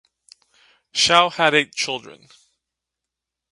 Xiao had eight children.